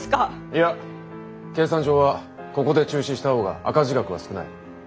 いや計算上はここで中止した方が赤字額は少ない。